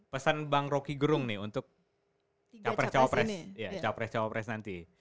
pesan bang rocky gerung nih untuk cawapres cawapres nanti